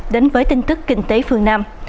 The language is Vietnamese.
đến với tin tức kinh tế phương nam